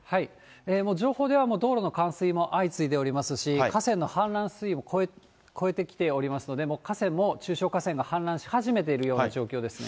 もう情報では道路の冠水も相次いでおりますし、河川の氾濫水位も超えてきておりますので、河川も中小河川が氾濫し始めている状況です。